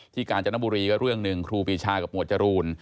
กาญจนบุรีก็เรื่องหนึ่งครูปีชากับหมวดจรูน